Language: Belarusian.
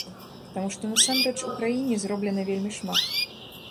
Таму што насамрэч у краіне зроблена вельмі шмат.